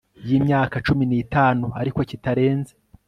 y imyaka cumi n itanu ariko kitarenze